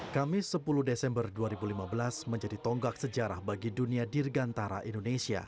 kamis sepuluh desember dua ribu lima belas menjadi tonggak sejarah bagi dunia dirgantara indonesia